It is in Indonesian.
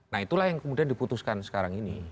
nah itulah yang kemudian diputuskan sekarang ini